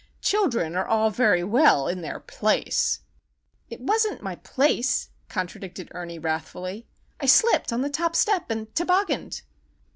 "Children are all very well in their place!" "It wasn't my place," contradicted Ernie, wrathfully. "I slipped on the top step and tobogganed!"